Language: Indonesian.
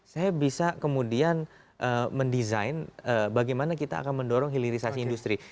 saya bisa kemudian mendesain bagaimana kita akan mendorong hilirisasi industri